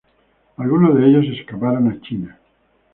Algunos de ellos escaparon a China.